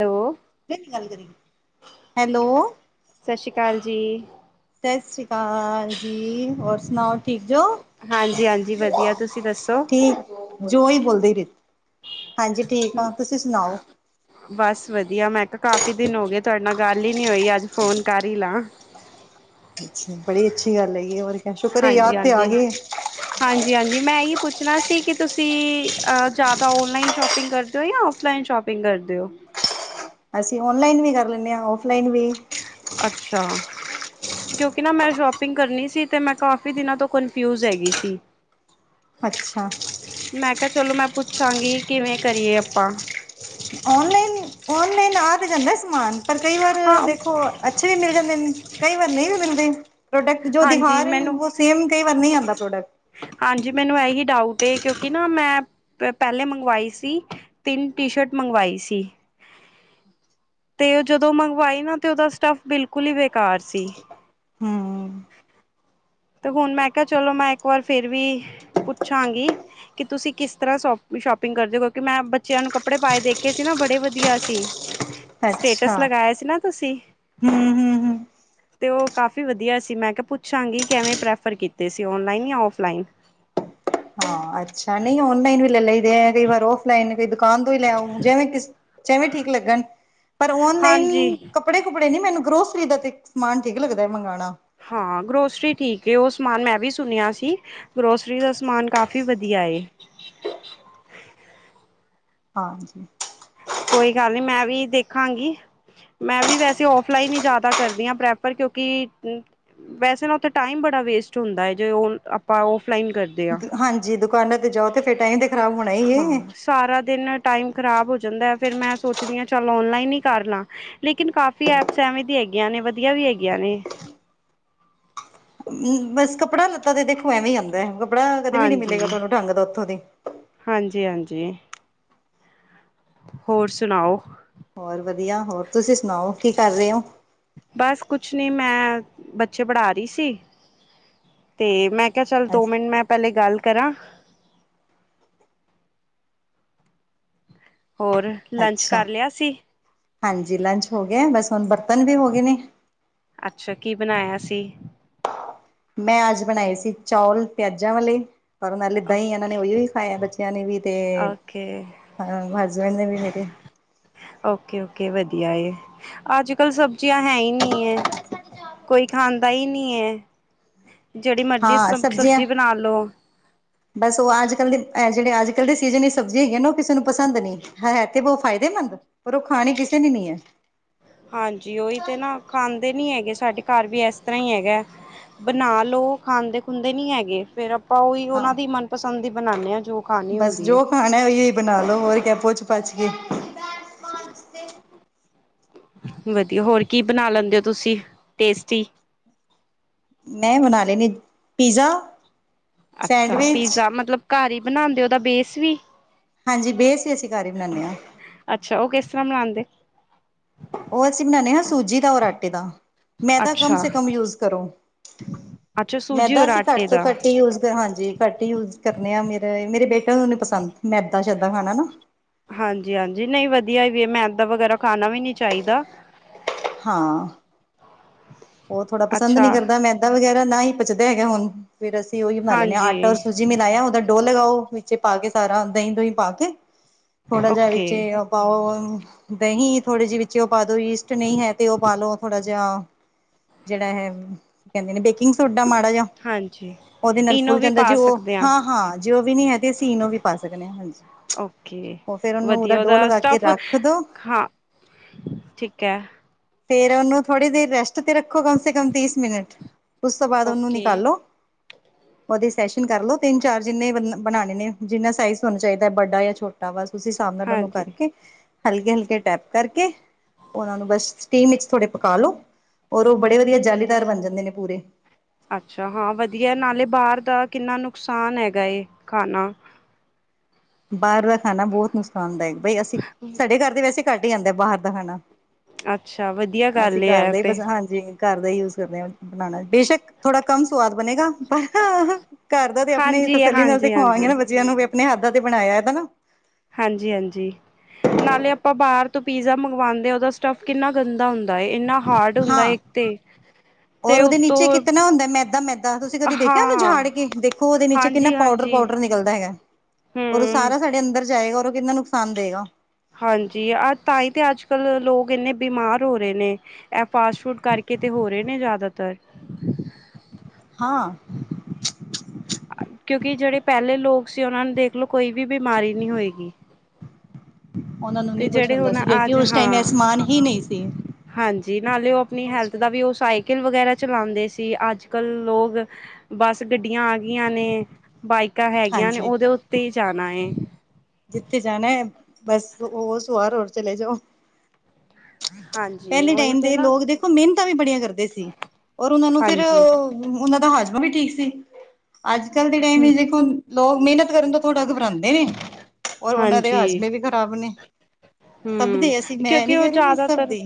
Hello. ਏ ਕੀ ਗੱਲ ਕਰੀ, ਹੈਲੋ। ਸਸਰੀ ਕਾਲ ਜੀ। ਸਸਰੀ ਕਾਲ ਜੀ। ਹੋਰ ਸੁਣਾਓ, ਠੀਕ ਜੋ? ਹਾਂਜੀ-ਹਾਂਜੀ ਵਧੀਆ। ਤੁਸੀਂ ਦੱਸੋ? ਜੋ ਹੀ ਬੋਲਦੀ ਰੀਤ, ਹਾਂਜੀ ਠੀਕ ਆ। ਤੁਸੀਂ ਸੁਣਾਓ? ਬਸ ਵਧੀਆ ਮੈਂ ਕਿਹਾ ਕਾਫੀ ਦਿਨ ਹੋ ਗਏ ਤੁਹਾਡੇ ਨਾਲ ਗੱਲ ਈ ਨੀ ਹੋਈ ਅੱਜ ਫੋਨ ਕਰ ਹੀ ਲਾ ਆ ਅੱਛਾ ਆ ਬੜੀ ਈ ਅੱਛੀ ਗੱਲ ਹੈਗੀ ਹੋਰ ਏ ਹਾਂਜੀ ਈ ਹਾਂਜੀ ਈ ਹਾਂਜੀ ਈ ਹਾਂਜੀ ਈ ਮੈਂ ਇਹੀ ਪੁੱਛਣਾ ਸੀ ਕਿ ਤੁਸੀਂ ਈ ਜ਼ਿਆਦਾ ਔਨਲਾਈਨ ਸ਼ੋਪ ਸ਼ੋਪਿੰਗ ਕਰਦੇ ਓ ਜਾਂ ਔਫਲਾਈਨ ਸ਼ੋਪਿੰਗ ਕਰਦੇ ਓ ਅਸੀਂ ਈ ਔਨਲਾਈਨ ਵੀ ਕਰ ਲੈਂਣੇ ਆ ਔਫਲਾਈਨ ਵੀ ਈ ਅੱਛਾ ਆ ਕਿਉਂਕਿ ਨਾ ਮੈਂ ਸ਼ੋਪਿੰਗ ਕਰਨੀ ਸੀ ਤੇ ਮੈਂ ਕਾਫੀ ਦਿਨਾਂ ਤੋਂ ਕਨਫਿਊਜ ਹੈਗੀ ਸੀ ਈ ਅੱਛਾ ਆ ਮੈਂ ਕਿਹਾ ਆ ਚਲੋ ਮੈਂ ਪੁੱਛਾਂਗੀ ਕਿਵੇਂ ਕਰੀਏ ਆਪਾਂ ਆ ਔਨਲਾਈਨ ਈ ਔਨਲਾਈਨ ਆ ਤੇ ਜਾਂਦਾ ਸਮਾਨ ਪਰ ਕਈ ਵਾਰ ਹਾਂ ਦੇਖੋ ਓ ਅੱਛੇ ਏ ਵੀ ਮਿਲ ਜਾਂਦੇ ਕਈ ਵਾਰ ਨਈ ਵੀ ਮਿਲਦੇ ਪ੍ਰੋਡਕਟ ਜੋ ਹਾਂਜੀ ਦਿਖਾ ਰਹੇ ਨੇ ਮੈਨੂੰ ਬਸ ਸੇਮ ਆ ਕਈ ਵਾਰ ਨਹੀਂ ਆਉਂਦਾ ਪ੍ਰੋਡਕਟ ਹਾਂਜੀ ਈ ਮੈਨੂੰ ਇਹੀ ਡਾਊਟ ਕਿਉਂਕਿ ਨਾ ਮੈਂ ਐ ਪੇਏ ਪਹਿਲੇ ਮੰਗਵਾਈ ਸੀ ਈ ਤਿੰਨ ਟੀ ਸ਼ਰਟ ਮੰਗਵਾਈ ਸੀ ਈ ਤੇ ਉਹ ਜਦੋਂ ਮੰਗਵਾਈ ਨਾ ਤੇ ਉਹਦਾ ਸਟੱਫ ਬਿਲਕੁਲ ਈ ਬੇਕਾਰ ਸੀ ਈ ਹੂੰ ਤੇ ਹੁਣ ਮੈਂ ਕਿਹਾ ਚਲੋ ਮੈਂ ਇੱਕ ਵਾਰ ਫਿਰ ਵੀ ਪੁੱਛਾਂਗੀ ਕਿ ਤੁਸੀਂ ਈ ਕਿਸ ਤਰ੍ਹਾਂ ਸੋ ਸ਼ੋਪਿੰਗ ਕਰਦੇ ਹੋ ਕਿਉਂਕਿ ਮੈਂ ਬੱਚਿਆਂ ਨੂੰ ਕੱਪੜੇ ਪਾਏ ਦੇਖੇ ਸੀ ਨਾ ਬੜੇ ਵਧੀਆ ਸੀ ਅੱਛਾ ਸਟੇਟਸ ਲਗਾਇਆ ਸੀ ਨਾ ਤੁਸੀਂ ਈ ਹਮ ਹਮ ਹਮ ਤੇ ਉਹ ਕਾਫ਼ੀ ਈ ਵਧੀਆ ਸੀ ਮੈਂ ਕਿਹਾ ਪੁੱਛਾਂਗੀ ਕਿਵੇਂ ਪ੍ਰੈਫਰ ਕੀਤੇ ਏ ਸੀ ਔਨਲਾਈਨ ਜਾਂ ਉਫਲਾਈਨ ਹਾਂ ਅੱਛਾ ਆ ਨਹੀਂ ਔਨਲਾਈਨ ਵੀ ਲੈ ਲਈਦੇ ਆ ਕਈ ਵਾਰ ਔਫਲਾਈਨ ਵੀ ਦੁਕਾਨ ਤੋਂ ਈ ਲੈਓ ਜਵੇਂ ਕਿਸ ਜਿਵੇਂ ਠੀਕ ਲੱਗਣ ਪਰ ਓਨਲਾਈਨ ਆਅ ਹਾਂਜੀ ਕੱਪੜੇ ਏ ਕੁਪੜੇ ਨੀ ਮੈਨੂੰ ਗਰੋਸਰੀ ਦਾ ਤੇ ਸਮਾਨ ਠੀਕ ਲੱਗਦਾ ਐ ਮੰਗਵਾਉਣਾ ਆ ਹਾਂ ਗਰੋਸਰੀ ਠੀਕ ਏ ਉਹ ਸਮਾਨ ਮੈਂ ਵੀ ਸੁਣਿਆ ਸੀ ਈ ਗਰੋਸਰੀ ਦਾ ਸਮਾਨ ਕਾਫ਼ੀ ਵਧੀਆ ਏ ਹਾਂਜੀ ਈ ਕੋਈ ਗੱਲ ਨੀ ਮੈਂ ਵੀ ਦੇਖਾਂਗੀ ਈ ਮੈਂ ਵੀ ਵੈਸੇ ਏ ਔਫਲਾਈਨ ਈ ਜ਼ਿਆਦਾ ਕਰਦੀ ਹਾਂ ਪ੍ਰੈਫਰ ਕਿਉਂਕਿ ਈ ਵੈਸੇ ਨਾ ਉਥੇ ਏ ਟਾਈਮ ਬੜਾ ਵੇਸਟ ਹੁੰਦਾ ਏ ਜੇ ਆਪਾਂ ਔਫਲਾਈਨ ਕਰਦੇ ਹਾਂ ਹਾਂਜੀ ਈ ਦੁਕਾਨਾਂ ਤੇ ਜਾਓ ਤੇ ਫਿਰ ਟਾਈ ਈ ਤੇ ਖ਼ਰਾਬ ਹੋਣਾ ਹੀ ਹਾਂ ਏ ਆ ਸਾਰਾ ਦਿਨ ਟਾਈਮ ਖ਼ਰਾਬ ਹੋ ਜਾਂਦਾ ਐ ਫੇਿਰ ਮੈਂ ਸੋਚਦੀ ਹਾਂ ਚੱਲ ਔਨਲਾਈਨ ਈ ਕਰ ਲਾਂ ਆ ਲੇਕਿਨ ਕਾਫੀ ਐਪਸ ਐਵੇਂ ਦੀ ਹੈਗੀਆਂ ਨੇ ਏ ਵਧੀਆ ਵੀ ਹੈਗੀਆਂ ਨੇ ਏ ਮੀ ਬਸ ਕੱਪੜਾ ਲੱਤਾ ਤੇ ਦੇਖੋ ਐਵੇਂ ਆਂਦਾ ਐ ਕੱਪੜਾ ਕਦੇ ਵੀ ਨੀ ਮਿਲੇਗਾ ਹਾਂਜੀ ਤੁਹਾਨੂੰ ਢੰਗ ਦਾ ਉੱਥੋਂ ਦੀ ਈ ਹਾਂਜੀ ਈ ਹਾਂਜੀ ਈ ਹੋਰ ਸੁਣਾਓ ਹੋਰ ਵਧੀਆ ਹੋਰ ਤੁਸੀਂ ਸੁਣਾਓ ਕੀ ਕਰ ਰਹੇ ਓ ਬਸ ਕੁਛ ਨੀ ਮੈਂ ਐ ਬੱਚੇ ਪੜਾ ਰਹੀ ਸੀ ਈ ਤੇ ਮੈਂ ਕਿਹਾ ਚੱਲ ਦੋ ਮਿੰਟ ਮੈਂ ਪਹਿਲੇ ਗੱਲ ਕਰਾਂ ਆ ਹੋਰ ਆ ਅੱਛਾ ਆ ਹਾਂਜੀ ਈ ਲੰਚ ਹੋ ਗਿਆ ਬਸ ਹੁਣ ਬਰਤਨ ਵੀ ਹੋ ਗਏ ਨੇ ਅੱਛਾ ਆ ਕੀ ਬਣਾਇਆ ਸੀ ਮੈਂ ਅੱਜ ਬਣਾਏ ਸੀ ਚੌਲ ਪਿਆਜਾਂ ਵਾਲੇ ਏ ਪਰ ਉਹਨਾਂ ਲਿੱਦਾਂ ਈ ਇਹਨਾਂ ਨੇ ਉਹੀ ਵੀ ਖਾਇਆ ਬੱਚਿਆਂ ਨੇ ਵੀ ਤੇ ਏ ਓਕੇ ਹਾਂ ਹਸਬੈਂਡ ਨੇ ਵੀ ਮੇਰੇ ਏ ਓਕੇ ਓਕੇ ਵਧੀਆ ਏ ਅੱਜ ਕੱਲ ਸਬਜ਼ੀਆਂ ਹੈ ਹੀ ਨਹੀਂ ਹੈ ਕੋਈ ਖਾਂਦਾ ਹੀ ਨਹੀਂ ਹੈ ਜਿਹੜੀ ਮਰਜ਼ੀ ਸ ਹਾਂ ਸਬਜ਼ੀਆਂ ਸਬਜ਼ੀ ਬਣਾ ਲਉ। ਬਸ ਉਹ ਅੱਜ ਕੱਲ੍ਹ ਦੇ ਜਿਹੜੇ ਅੱਜ ਕੱਲ੍ਹ ਦੇ ਸੀਜ਼ਨ ਵਿੱਚ ਸਬਜ਼ੀਆਂ ਹੈਗੀਆਂ ਨਾ ਉਹ ਕਿਸੇ ਨੂੰ ਪਸੰਦ ਨਹੀਂ ਹੈ ਤੇ ਬਹੁ ਫਾਇਦੇਮੰਦ ਪਰ ਉਹ ਖਾਣੀ ਕਿਸੇ ਨੇ ਨੀ ਹੈ ਹਾਂਜੀ ਉਹੀ ਤੇ ਨਾ ਖਾਂਦੇ ਨੀ ਹੈਗੇ ਸਾਡੇ ਘਰ ਵੀ ਇਸ ਤਰ੍ਹਾਂ ਹੀ ਹੈਗਾ ਬਨਾ ਲਓ ਖਾਂਦੇ ਖੁਦੇ ਨੀ ਹੈਗੇ ਫੇਰ ਆਪਾਂ ਉਹੀ ਹਾਂ ਉਹਨਾਂ ਦੀ ਮਨਪਸੰਦ ਹੀ ਬਣਾਨੇ ਹਾਂ ਜੋ ਖਾਣੀ ਬਸ ਹੁੰਦੀ ਹੈ ਜੋ ਖਾਣਾ ਉਹੀਓ ਬਣਾ ਦੋ ਹੋਰ ਕਿਆ ਪੁੱਛ ਪਛ ਕੇ ਵਧੀਆ ਹੋਰ ਕੀ ਬਣਾ ਲੈਂਦੇ ਹੋ ਤੁਸੀਂ ਟੇਸਟੀ ਮੈਂ ਬਣਾ ਲਏ ਨੇ ਪੀਜ਼ਾ ਅੱਛਾ ਸੈਂਡਵਿਚ ਪੀਜ਼ਾ ਮਤਲਬ ਘਰ ਹੀ ਬਣਾਉਂਦੇ ਉਹਦਾ ਬੇਸ ਵੀ ਹਾਂਜੀ ਬੇਸ ਅਸੀਂ ਘਰ ਹੀ ਬਣਾਉਂਦੇ ਹਾਂ ਅੱਛਾ ਉਹ ਕਿਸ ਤਰ੍ਹਾਂ ਬਣਾਉਂਦੇ ਉਹ ਅਸੀਂ ਬਣਾਉਦੇ ਹਾਂ ਸੂਜੀ ਦਾ ਔਰ ਆਟੇ ਦਾ ਮੈਦਾ ਕਮ ਅੱਛਾ ਸੇ ਕਮ ਯੂਜ ਕਰੋ ਅੱਛਾ ਸੂਜੀ ਮੈਦਾ ਔਰ ਅਸੀਂ ਆਟੇ ਘੱਟ ਤੋਂ ਦਾ ਘੱਟ ਹੀ ਯੂਜ ਹਾਂਜੀ ਘੱਟ ਹੀ ਯੂਜ ਕਰਨੇ ਆ ਮੇਰੇ ਮੇਰੇ ਬੇਟੇ ਨੂੰ ਨੀ ਪਸੰਦ ਮੈਦਾ ਸ਼ੈਦਾ ਖਾਣਾ ਨਾ ਹਾਂਜੀ ਹਾਂਜੀ ਨਹੀਂ ਵਧੀਆ ਵੀ ਏ ਮੈਦਾ ਵਗੈਰਾ ਖਾਣਾ ਵੀ ਨੀ ਚਾਹੀਦਾ ਹਾਂ ਉਹ ਥੋੜਾ ਪਸੰਦ ਅੱਛਾ ਨਹੀਂ ਕਰਦਾ ਮੈਦਾ ਦਾ ਵਗੈਰਾ ਨਾ ਹੀ ਪਚਦਾ ਹੈਗਾ ਹੁਣ ਫਿਰ ਅਸੀਂ ਉਹੀ ਬਣਾ ਲੈਣੇ ਹਾਂ ਹਾਂਜੀ ਆਟਾ ਔਰ ਸੂਜੀ ਮਿਲਾਇਆ ਉਹਦਾ ਡੋਹ ਲਗਾਓ ਵਿੱਚ ਪਾ ਕੇ ਸਾਰਾ ਦਹੀਂ ਦੁਹੀਂ ਪਾ ਕੇ ਥੋੜਾ ਜਿਹਾ ਓਕੇ ਵਿੱਚ ਪਾਓ ਦਹੀਂ ਥੋੜੇ ਜਿਹੇ ਵਿੱਚ ਉਹ ਪਾ ਦੋ ਈਸ਼ਟ ਨਹੀਂ ਹੈ ਤੇ ਓ ਪਾ ਲੋ ਥੋੜਾ ਜਿਹਾ ਜਿਹੜਾ ਹੈ ਕੀ ਕਹਿੰਦੇ ਨੇ ਬੇਕਿੰਗ ਸੋਡਾ ਮਾੜਾ ਜਿਹਾ ਹਾਂਜੀ ਉਹਦੇ ਨਾਲ ਇਨੋ ਫੁੱਲ ਵੀ ਜਾਂਦਾ ਜੀ ਪਾ ਉਹ ਸਕਦੇ ਹਾਂ ਹਾਂ ਜੋ ਵੀ ਨੀ ਹੈ ਤੇ ਅਸੀਂ ਇਨੋ ਵੀ ਪਾ ਸਕਨੇ ਹਾਂ ਹਾਂਜੀ ਓਕੇ ਉਹ ਫੇਰ ਉਹਨੂੰ ਵਧੀਆ ਡੋਹ ਉਹਦਾ ਲਗਾ ਕੇ ਸਟਫ ਰੱਖ ਦੋ ਹਾਂ ਠੀਕ ਹੈ ਫੇਰ ਉਹਨੂੰ ਥੋੜੀ ਦੇਰ ਰੈਸਟ ਤੇ ਰੱਖੋ ਕਮ ਸੇ ਕਮ ਤੀਸ ਮਿੰਟ ਉਸ ਤੋਂ ਬਾਅਦ ਉਹਨੂੰ ਓਕੇ ਨਿਕਾਲੋ ਉਹਦੇ ਸੈਸ਼ਨ ਕਰ ਲੋ ਤਿੰਨ ਚਾਰ ਜਿੰਨੇ ਬਣਾਉਣੇ ਨੇ ਜਿਨਾ ਸਾਈਜ਼ ਤੁਹਾਨੂੰ ਚਾਹੀਦਾ ਹੈ ਵੱਡਾ ਜਾਂ ਛੋਟਾ ਹਾਂ ਬਸ ਉਸ ਹਿਸਾਬ ਨਾਲ ਉਹਨੂੰ ਹਾਂਜੀ ਕਰਕੇ ਹਲਕੇ ਹਲਕੇ ਟੈਪ ਕਰਕੇ ਉਹਨਾਂ ਨੂੰ ਬਸ ਸਟੀਮ ਵਿੱਚ ਥੋੜੇ ਪਕਾ ਲੋ ਔਰ ਉਹ ਬੜੇ ਵਧੀਆ ਜਾਲੀਦਾਰ ਬਣ ਜਾਂਦੇ ਨੇ ਪੂਰੇ ਅੱਛਾ ਹਾਂ ਵਧੀਆ ਨਾਲੇ ਬਾਹਰ ਦਾ ਕਿੰਨਾ ਨੁਕਸਾਨ ਹੈਗਾ ਏ ਖਾਨਾ ਬਾਹਰ ਦਾ ਖਾਣਾ ਬਹੁਤ ਨੁਕਸਾਨਦਾਇਕ ਬਈ ਅਸੀਂ ਸਾਡੇ ਘਰ ਦੇ ਵੈਸੇ ਘੱਟ ਹੀ ਆਂਦਾ ਬਾਹਰ ਦਾ ਖਾਣਾ ਅੱਛਾ ਵਧੀਆ ਅਸੀਂ ਗੱਲ ਘਰ ਹੈ ਇਹ ਦੇ ਹੀ ਤੇ ਪਸੰਦ ਹਾਂਜੀ ਘਰ ਦਾ ਹੀ ਯੂਜ ਕਰਦੇ ਆ ਬਣਾਉਣਾ ਬੇਸ਼ੱਕ ਥੋੜਾ ਕਮ ਸਵਾਦ ਬਣੇਗਾ ਘਰ ਦਾ ਤੇ ਆਪਣੀ ਈ ਹਾਂਜੀ ਤਸੱਲੀ ਨਾਲ ਤੇ ਹਾਂਜੀ ਖਵਾਂਗੇ ਹਾਂਜੀ ਨਾ ਬੱਚਿਆਂ ਨੂੰ ਵੀ ਆਪਣੇ ਹੱਥਾਂ ਤੇ ਬਣਾਇਆ ਹੈਨਾ ਹਾਂਜੀ ਹਾਂਜੀ ਨਾਲੇ ਆਪਾਂ ਬਾਹਰ ਤੋਂ ਪੀਜ਼ਾ ਮੰਗਵਾਉਦੇ ਆ ਉਹਦਾ ਸਟੱਫ ਕਿੰਨਾ ਗੰਦਾ ਹੁੰਦਾ ਇੰਨਾ ਹਾਰਡ ਹੁੰਦਾ ਹਾਂ ਇੱਕ ਤੇ ਔਰ ਤੇ ਉਹਦੇ ਨੀਚੇ ਉਤੋਂ ਕਿਤਨਾ ਹੁੰਦਾ ਮੈਦਾ ਮੈਦਾ ਤੁਸੀਂ ਕਦੇ ਦੇਖਿਆ ਉਹਨੂੰ ਕਦੇ ਹਾਂ ਝਾੜ ਕੇ ਦੇਖੋ ਉਹਦੇ ਨੀਚੇ ਕਿੰਨਾ ਹਾਂਜੀ ਪਾਊਡਰ ਹਾਂਜੀ ਪਾਊਡਰ ਨਿਕਲਦਾ ਹੈਗਾ ਔਰ ਉਹ ਹਮ ਸਾਰਾ ਸਾਡੇ ਅੰਦਰ ਜਾਏਗਾ ਔਰ ਉਹ ਕਿੰਨਾ ਨੁਕਸਾਨ ਦਏਗਾ ਹਾਂਜੀ ਅ ਤਾਂਹੀ ਤੇ ਅੱਜ ਕੱਲ ਲੋਕ ਇੰਨੇ ਬਿਮਾਰ ਹੋ ਰਹੇ ਨੇ ਇਹ ਫਾਸਟ ਫੂਡ ਕਰਕੇ ਤਾਂ ਹੋ ਰਹੇ ਨੇ ਜ਼ਿਆਦਾਤਰ ਹਾਂ ਕਿਉਂਕਿ ਜਿਹੜੇ ਪਹਿਲੇ ਲੋਕ ਸੀ ਉਹਨਾਂ ਨੂੰ ਦੇਖ ਲਓ ਕੋਈ ਵੀ ਬਿਮਾਰੀ ਨਹੀਂ ਹੋਏਗੀ ਉਹਨਾਂ ਨੂੰ ਤੇ ਨਹੀਂ ਕੁਛ ਜਿਹੜੇ ਹੁੰਦਾ ਹੁਣ ਸੀ ਕਿਉਂਕਿ ਅੱਜ ਉਸ ਟਾਈਮ ਇਹ ਹਾਂ ਸਮਾਨ ਹੀ ਨਹੀਂ ਸੀ ਹਾਂਜੀ ਨਾਲੇ ਓ ਆਪਨੀ ਹੈਲਥ ਦਾ ਵੀ ਓ ਸਾਈ ਸਾਈਕਲ ਵਗੈਰਾ ਚਲਾਦੇ ਸੀ ਅੱਜ-ਕੱਲ ਲੋਕ, ਬੱਸ ਗੱਡੀਆਂ ਆ ਗਈਆਂ ਨੇ ਬਾਈਕਾਂ ਹੈਗੀਆਂ ਨੇ ਹਾਂਜੀ ਓਦੇ ਓਤੇ ਈ ਜਾਨਾ ਐ। ਜਿੱਥੇ ਜਾਨਾ ਐ, ਬਸ ਓ ਸਵਾਰ ਹੋਰ ਚਲੇ ਜਾਓ। ਹਾਂਜੀ। ਪੈਲੇ ਉਹੀ ਟੈਮ ਤੇ ਦੇ ਨਾ ਲੋਕ ਦੇਖੋ ਮਿਹਨਤਾਂ ਵੀ ਬੜੀਆਂ ਕਰਦੇ ਸੀ, ਔਰ ਓਨਾਂ ਨੂੰ ਫਿਰ ਹਾਂਜੀ ਓਨਾਂ ਦਾ ਹਾਜ਼ਮਾ ਵੀ ਠੀਕ ਸੀ ਅੱਜ-ਕੱਲ ਦੇ ਟੈਮ ਹਮ ਵਿੱਚ ਦੇਖੋ ਲੋਕ ਮਿਹਨਤ ਕਰਨ ਤੋਂ ਥੋੜਾ ਘਬਰਾਦੇ ਨੇ, ਔਰ ਓਨਾਂ ਦੇ ਹਾਂਜੀ ਹਾਜ਼ਮੇ ਵੀ ਖਰਾਬ ਨੇ। ਸਭ ਹਮ ਦੀ ਅਸੀਂ ਮੈਂ ਨੀ ਕਿਉਂਕਿ ਉਹ ਕੈ ਸਭ ਜ਼ਿਆਦਾਤਰ ਦੀ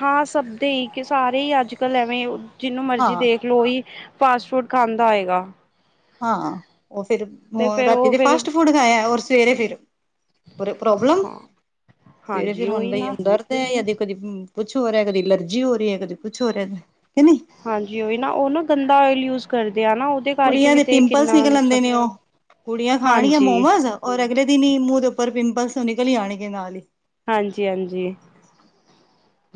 ਹਾਂ ਸਭ ਦੇ ਈ ਕਿ ਸਾਰੇ ਈ ਅੱਜ-ਕੱਲ ਐਵੇਂ ਜੈਨੂੰ ਮਰਜ਼ੀ ਹਾਂ। ਦੇਖ ਲੋਈ ਫਾਸਟ ਫੂਡ ਖਾਂਦਾ ਆਏਗਾ। ਹਾਂ ਓ ਫੇਰ ਤੇ ਫੇਰ ਰਾਤੀ ਉਹ ਤੇ ਫਿਰ ਫਾਸਟ ਫੁਡ ਖਾਏਆ ਔਰ ਸਵੇਰੇ ਫਿਰ, ਪ੍ਰੋ ਪ੍ਰੋਬਲਮ ਹਾਂ ਸਵੇਰੇ ਫੇਰ ਹਾਂਜੀ ਹੁਨ ਉਹੀ ਬਈ ਨਾ ਅੰਦਰ ਕਦੇ ਕੁੱਛ ਹੋ ਰਿਆ ਕਦੇ ਅਲਰਜੀ ਹੋ ਰਈ ਐ ਕਦੇ ਕੁਛ ਹੋ ਰਿਆ ਕਿ ਨਈਂ ਹਾਂਜੀ ਓਈ ਨਾ ਓਨੂੰ ਗੰਦਾ ਓਇਲ ਯੂਜ਼ ਕਰਦੇ ਆ ਨਾ ਕਰਕੇ ਕੁੜੀਆਂ ਵੀ ਦੇ ਤੇ ਪਿੰਪਲਸ ਕਿੰਨਾ ਨਿਕਲ ਆਦੇ ਨੁਕਸਾਨ ਨੇ ਓ ਕੁੜੀਆਂ ਖਾਨਗੀਆਂ ਹਾਂਜੀ, ਮੋਮਸ। ਔਰ ਅਗਲੇ ਦਿਨ ਈ ਮੂੰਹ ਦੇ ਓਪਰ ਪਿੰਪਸ ਨਿਕਲ ਆਨਗੇ ਨਾਲ ਈ। ਹਾਂਜੀ-ਹਾਂਜੀ।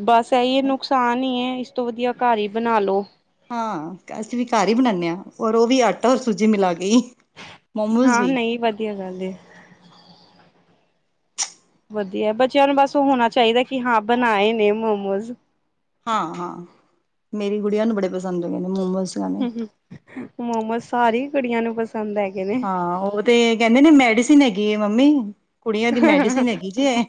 ਬਸ ਏਹੀ ਐ ਨੁਕਸਾਨ ਹੀ ਏਸ ਤੋਂ ਵਦੀਆ ਘਰ ਈ ਬਨਾਲੋ। ਹਾਂ ਅਸੀਂ ਵੀ ਘਰ ਈ ਬਣਾਨੇ ਆ ਔਰ ਓ ਵੀ ਆਟਾ ਔਰ ਸੂਜੀ ਮਿਲਾ ਕੇ ਈ। ਹਾਂ ਨਈਂ ਵਦੀਆ ਗੱਲ ਏ। ਵਦੀਆ ਬੱਚੇਆਂ ਨੂੰ ਬਸ ਓ ਹੋਨਾ ਚਾਈਦਾ ਕਿ ਹਾਂ ਬਨਾਏ ਨੇ ਮੋਮੋਜ਼। ਹਾਂ-ਹਾਂ, ਮੇਰੀ ਗੁੜੀਆਂ ਨੂੰ ਬੜੇ ਪਸੰਦ ਹੈਗੇ ਨੇ ਮੋਮੋਸ। ਖਾਣੇ ਹੂੰ ਮੋਮੋਸ ਸਾਰੀ ਕੁੜੀਆਂ ਨੂੰ ਪਸੰਦ ਐ। ਹਾਂ, ਓ ਤੇ ਕੈਂਦੇ ਨੇ ਮੈਡੀਸਿਨ ਹੈਗੀ ਐ ਮੰਮੀ, ਕੁੜੀਆਂ ਦੀ ਮੈਡੀਸਿਨ ਹੈਗੀ ਜੇ ਏ।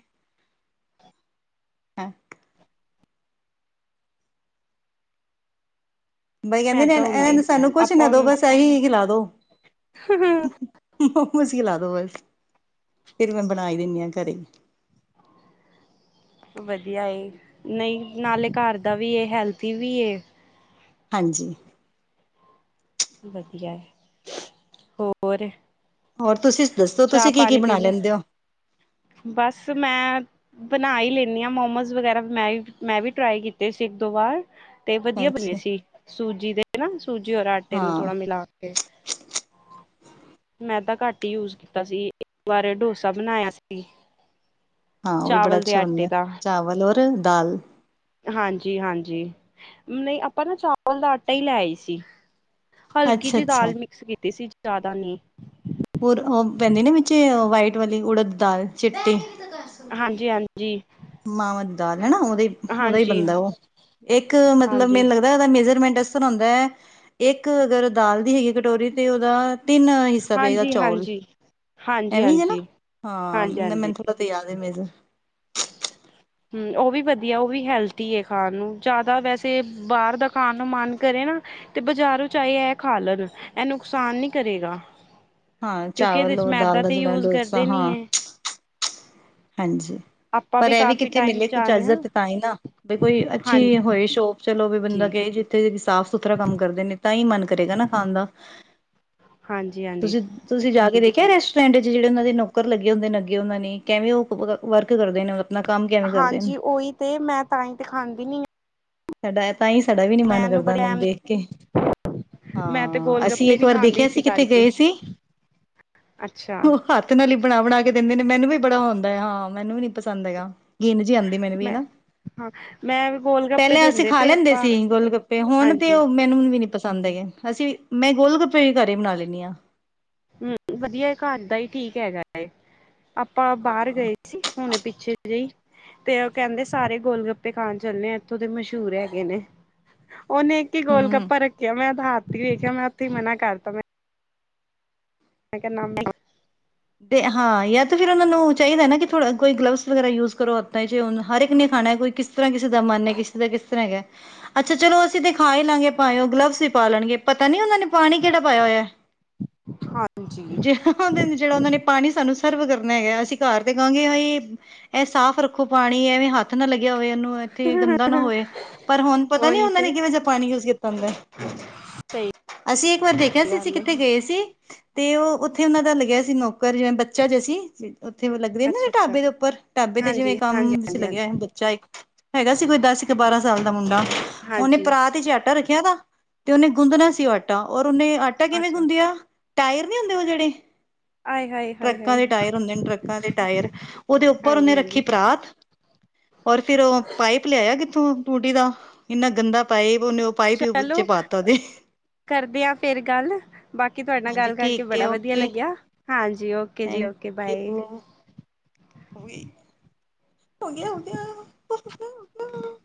ਬਾਈ ਮੈਦਾ ਹੁੰਦਾ ਏ। ਕੈਂਦੀ ਸਾਨੂੰ ਕੁਛ ਨਾ ਆਪਾਂ ਦੋ ਉਹਨੂੰ ਬਸ ਐਹੀ ਖਿਲਾ ਦੋ। ਮੋਮਸ ਖਿਲਾ ਦੋ ਬਸ, ਫੇਰ ਮੈਂ ਬਨਾਈ ਦਿੰਨੀ ਆਂ ਘਰੇ। ਵਦੀਆ ਏ, ਨਈਂ ਨਾਲੇ ਘਰ ਦਾ ਵੀ ਐ ਹੈਲਥੀ ਵੀ ਹਾਂਜੀ। ਵਦੀਐ, ਹੋਰ ਹੋਰ ਤੁਸੀਂ ਦੱਸੋ ਤੁਸੀਂ ਕੀ ਕੀ ਚਾ-ਪਾਨੀ ਪੀ ਬਣਾ ਲਿਆ, ਲੈਂਦੇ ਹੋ ਬਸ ਮੈਂ ਬਨਾ ਈ ਲੈਂਨੀ ਆਂ ਮੋਮੋਸ ਵਗੈਰਾ, ਮੈਂ-ਮੈਂ ਵੀ ਟਰਾਈ ਕੀਤੇ ਸੀ ਇੱਕ ਦੋ ਵਾਰ। ਤੇ ਵਦੀਆ ਬਨੇ ਸੀ, ਸੂਜੀ ਦੇ ਨਾ ਸੂਜੀ ਔਰ ਆਟੇ ਨੂੰ ਥੋੜਾ ਮਿਲਾ ਕੇ ਮੈਂ ਤਾਂ ਘੱਟ ਈ ਯੂਜ ਕੀ ਤਾ ਸੀ ਇੱਕ ਵਾਰ ਡੋਸਾ ਬਨਾਯੇਆ ਸੀ, ਚਾਵਲ ਦੇ ਆਟੇ ਦਾ। ਵੱਲਰ ਦਾਲ ਹਾਂਜੀ-ਹਾਂਜੀ, ਨਈਂ ਆਪਾਂ ਨਾ ਚਾਵਲ ਦਾ ਆਟਾ ਈ ਲੈ ਆਏ ਸੀ। ਹਲਕੀ ਜਈ ਦਾਲ ਮਿਕਸ ਕੀਤੀ ਸੀ, ਜ਼ਾਅਦਾ ਨਈਂ। ਹੋਰ ਓ ਪੈਂਦੀ ਨਾ ਵਿੱਚ ਵਾਈਟ ਵਾਲੀ ਉੜਦ ਦਾਲ ਚਿੱਟੀ। ਹਾਂਜੀ-ਹਾਂਜੀ। ਮਾਵਾਂ ਦੀ ਦਾਲ ਹੈਨਾ, ਓਦਾ ਓਦੈ ਈ ਹਾਂਜੀ ਬਨਦਾ ਓ ਇੱਕ ਮਤਲਬ ਹਾਂਜੀ ਮੈਨੂੰ ਲਗਦਾ ਓਦਾ ਮੇਜਰਮੈਂਟਸ ਇਸ ਤਰਾਂ ਹੋਂਦਾ ਏ। ਇੱਕ ਅਗਰ ਦਾਲ ਦੀ ਹੈਗੀ ਕਟੋਰੀ ਤੇ ਓਦਾ ਤਿੰਨ ਸਵੇਦਾ ਹਾਂਜੀ ਹਾਂਜੀ ਚੌਲ, ਹਾਂਜੀ ਹਾਂਜੀ ਐਵੇਂ ਹੀ ਹੈ ਨਾ, ਹਾਂ ਹਾਂਜੀ ਹਾਂਜੀ ਮੈਨੂੰ ਤੇ ਪਤੇ ਯਾਦ ਹੈ ਨੀ ਜੇ। ਹੂੰ ਉਹ ਵੀ ਵਧੀਆ, ਉਹ ਵੀ ਹੈਲਦੀ ਹੈ ਖਾਣ ਨੂੰ, ਜ਼ਿਆਦਾ ਵੈਸੇ ਬਾਹਰ ਦਾ ਖਾਣ ਨੂੰ ਮਨ ਕਰੇ ਨਾ- ਤੇ ਬਜਾਰੋਂ ਚਾਹੇ ਇਹ ਖਾ ਲਵੇ, ਇਹ ਨੁਕਸਾਨ ਨੀ ਕਰੇਗਾ। ਹਾਂ ਕਿਉਂਕਿ, ਇਹਦੇ ਚਾਵਲ ਚ ਔਰ ਦਾਲ ਮੈਦਾ ਦਾ ਤੇ ਜਿਹੜਾ ਯੂਜ ਡੋਸਾ ਕਰਦੇ ਨੀ ਹਾਂ ਏ। ਹਾਂਜੀ, ਆਪਾਂ ਪਰ ਇਹ ਵੀ ਕਾਫੀ ਕਿੱਥੇ ਟਾਈਮ ਮਿਲੇ ਕੁਛ ਜਾਂਦੇ ਚੱਜ ਦਾ ਹਾਂ ਤੇ ਤਾਂਹੀ ਨਾ, ਵੀ ਕੋਈ ਅੱਛੀ ਹਾਂਜੀ ਹੋਏ ਸ਼ੋਪ। ਚਲੋ ਵੀ ਬੰਦਾ ਕੇਹ ਜੀਥੇ ਸਾਫ਼ ਸੁਥਰਾ ਕੰਮ ਕਰਦੇ ਨੇ ਤਾਂ ਹੀ ਮਨ ਕਰੇਗਾ ਨਾ ਖਾਣ ਦਾ। ਹਾਂਜੀ- ਹਾਂਜੀ। ਤੁਸੀਂ ਤੁਸੀਂ ਜਾ ਕੇ ਦੇਖਿਆ ਰੈਸਟੋਰੈਂਟ ਚ ਜਿਹੜੇ ਉਹਨਾਂ ਦੇ ਨੌਕਰ ਲੱਗੇ ਹੁੰਦੇ ਨੇ, ਅੱਗੇ ਉਹਨਾਂ ਨੇ ਕਿਵੇਂ ਉਹ ਵਰਕ ਕਰਦੇ ਨੇ ਓ- ਹਾਂਜੀ, ਓਹੀ ਤੇ ਮੈਂ ਤਾਂਹੀ ਤੇ ਖਾਂਦੀ ਨੀ ਆ। ਸਾਡਾ ਏ ਤਾਂਹੀ, ਸਾਡਾ ਵੀ ਨੀ ਮੈਂ ਮਨ ਇਹਨੂੰ ਕਰਦਾ ਬੜੇ ਉਹਨਾਂ ਨੂੰ ਦੇਖ ਕੇ। ਮੈਂ ਤੇ ਹਾਂ, ਗੋਲ ਅਸੀਂ ਗੱਪੇ ਇੱਕ ਨੀ ਵਾਰ ਖਾਂਦੀ ਦੇਖਿਆ ਸੀ ਕਿੱਥੇ ਕਰਕੇ ਗਏ ਸੀ। ਅੱਛਾ। ਉਹ ਹੱਥ ਨਾਲ ਹੀ ਬਣਾ- ਬਣਾ ਕੇ ਦਿੰਦੇ ਨੇ, ਮੈਨੂੰ ਵੀ ਬੜਾ ਹਉਦਾ ਹੈ ਹਾਂ, ਮੈਨੂੰ ਵੀ ਨੀ ਪਸੰਦ ਹੈਗਾ, ਗਿਣ ਜਹੀ ਆਉਂਦੀ ਮੈਨੂੰ ਵੀ ਹਨ ਮੈਂ ਨਾ। ਹਾਂ, ਮੈਂ ਵੀ ਗੋਲ ਗ- ਪਹਿਲਾਂ ਅਸੀਂ ਖਾ ਲੈਂਦੇ ਸੀ ਗੋਲ ਗੱਪੇ, ਹੁਣ ਤੇ ਹਾਂਜੀ ਉਹ ਮੈਨੂੰ ਵੀ ਨਹੀਂ, ਪਸੰਦ ਹੈਗੇ, ਅਸੀਂ ਮੈਂ ਗੋਲ ਗੱਪੇ ਵੀ ਘਰ ਹੀ ਬਣਾ ਲੈਂਦੀ ਹਾਂ। ਹੂੰ ਵਧੀਆ ਘਰ ਦਾ ਹੀ ਠੀਕ ਹੈਗਾ ਹੈ, ਆਪਾਂ ਬਾਹਰ ਹਾਂ ਗਏ। ਸੀ ਹੁਣੇ ਪਿੱਛੇ ਜਿਹੀ। ਤੇ ਉਹ ਕਹਿੰਦੇ ਸਾਰੇ ਗੋਲ ਗੱਪੇ ਖਾਣ ਚੱਲਣੇ ਆ, ਇੱਥੋਂ ਦੇ ਮਸ਼ਹੂਰ ਹੈਗੇ ਨੇ। ਉਹਨੇ ਇੱਕ ਹੀ ਗੋਲ ਹਮ ਗੱਪਾ ਰੱਖਿਆ, ਮੈਂ ਉਹਦਾ ਹੱਥ ਹੀ ਵੇਖਿਆ ਮੈਂ ਉੱਥੇ ਹੀ ਮਨਾ ਕਰਤਾ ਮੈਂ- ਮੈਂ ਕਿਹਾ ਨਾ ਮੈ ਨਾ- ਤੇ ਹਾਂ ਯਾ ਤਾਂ ਫੇਰ ਉਹਨਾਂ ਨੂੰ ਚਾਹੀਦਾ ਨਾ ਕਿ, ਥੋੜਾ ਕੋਈ ਗਲਵਸ ਵਗੈਰਾ ਯੂਜ ਕਰੋ। ਤਾਂ ਫੇਰ ਓਹਨੂੰ ਹਰ ਇੱਕ ਨੇ ਖਾਣਾ ਏ, ਕੋਈ ਕਿਸ ਤਰਾਂ ਕਿਸੇ ਦਾ ਮਨ ਹੈ, ਕਿਸੇ ਦਾ ਕਿਸ ਤਰਾਂ ਹੈਗਾ ਏ। ਅੱਛਾ, ਚਲੋ ਅਸੀਂ ਤੇ ਖਾ ਹੀ ਲਾਂਗੇ ਭਾਏਂ, ਗਲਵਸ ਹੀ ਪਾ ਲਣਗੇ ਪਤਾ ਨੀ ਉਹਨਾ ਨੇ ਪਾਣੀ ਕਿਹੜਾ ਪਾਇਆ ਹੋਇਆ ਏ। ਹਾਂਜੀ। ਉਹ ਜਿਹੜਾ ਉਹ ਨੇ ਪਾਣੀ ਸਾਨੂੰ ਸਰਵ ਕਰਨਾ ਹੈਗਾ, ਅਸੀਂ ਘਰ ਤੇ ਕਹਾਂਗੇ ਹਾਏ। ਇਹ ਸਾਫ਼ ਰੱਖੋ ਪਾਣੀ, ਐਵੇਂ ਹੱਥ ਨਾ ਲਗਿਆ ਹੋਵੇ ਇਹਨੂੰ। ਇੱਥੇ ਗੰਦਾ ਨਾ ਹੋਏ, ਪਰ ਹੁਣ ਪਤਾ ਨੀ ਉਹੀ ਉਹਨਾਂ ਨੇ ਤੇ ਕਿਵੇਂ ਜਾ ਪਾਣੀ ਯੂਜ ਕੀਤਾ ਹੁੰਦਾ। ਸਹੀ ਅਸੀਂ ਇੱਕ ਵਾਰ ਦੇਖਿਆ ਸੀ ਅਸੀਂ ਗੱਲ ਹੈ ਕਿੱਥੇ ਗਏ ਸੀ। ਤੇ ਉਹ ਉੱਥੇ ਉਹਨਾ ਦਾ ਲੱਗਿਆ ਸੀ ਨੌਕਰ ਜਿਵੇਂ ਬੱਚਾ ਜਿਹਾ ਸੀ। ਉੱਥੇ ਲੱਗਦੇ ਨੇ ਨਾ ਅੱਛਾ ਅੱਛਾ ਢਾਬੇ ਦੇ ਉੱਪਰ ਢਾਬੇ ਤੇ ਜਿਵੇਂ ਹਾਂਜੀ ਹਾਂਜੀ ਕੰਮ ਵਿੱਚ ਹਾਂਜੀ ਹਾਂਜੀ ਲੱਗਿਆ ਹਨ ਬੱਚਾ ਇੱਕ। ਹੈਗਾ ਸੀ ਕੋਈ ਦਸ ਕ ਬਾਰਾਂ ਸਾਲ ਦਾ ਮੁੰਡਾ ਉਹਨੇ ਹਾਂਜੀ ਪਰਾਤ ਚ ਆਟਾ ਰੱਖਿਆ। ਆ ਨਾ ਤੇ ਉਹਨੇ ਗੁੰਦਣਾ ਸੀ ਉਹ ਆਟਾ ਔਰ ਉਹਨੇ ਆ- ਨਾ ਕਿਵੇਂ ਅੱਛਾ ਗੁੰਦੇਆ ਟਾਇਰ ਨੀ ਹੁੰਦੇ ਉਹ ਜਿਹੜੇ- ਆਏ ਹਏ। ਟਰੱਕਾਂ ਦੇ ਟਾਇਰ ਹੁੰਦੇ ਨੇ ਟਰੱਕਾਂ ਦੇ ਟਾਇਰ ਉਹਦੇ ਉੱਪਰ ਉਹਨੇ ਹਾਂਜੀ ਰੱਖੀ ਹਾਂਜੀ ਪਰਾਤ- ਔਰ ਫੇਰ ਉਹ ਪਾਈਪ ਲਿਆਆ ਕਿੱਥੋਂ ਟੂਟੀ ਦਾ ਇੰਨਾ ਗੰਦਾ ਪਾਈਪ ਉਹਨੇ- ਪਾਈਪ ਚਲੋ- ਚ ਪਾਤਾ ਉਹਦੇ ਕਰਦੇ ਹ ਫੇਰ ਗੱਲ, ਬਾਕੀ ਤੁਹਾਡੇ ਨਾਲ ਹਾਂਜੀ ਗੱਲ ਕਰਕੇ ਠੀਕ ਬੜਾ ਹੈ ਵਧੀਆ ਓਕੇ ਲੱਗਿਆ। ਹਾਂਜੀ ਓਕੇ ਜੀ ਥੈਂਕ ਓਕੇ ਬਾਏ। ਉਹੀ। ਹੋ ਗਿਆ- ਹੋ ਗਿਆ ਉਦ ਉ ਨ ਨ।